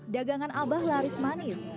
dagangan abah laris manis